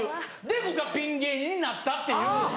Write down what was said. で僕はピン芸人になったっていう。